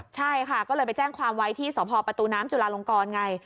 ใช่ค่ะก็เลยไปแจ้งความไว้ที่สพประตูน้ำจุลาลงกรไง